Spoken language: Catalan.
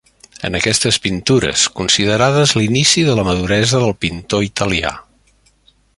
En aquestes pintures, considerades l'inici de la maduresa del pintor italià.